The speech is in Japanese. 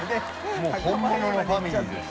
もう本物のファミリーです。